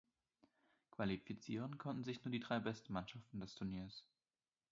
Qualifizieren konnten sich nur die drei besten Mannschaften des Turniers.